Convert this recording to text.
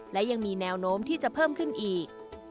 และยังมีแนวโน้มที่จะเพิ่มขึ้นอีก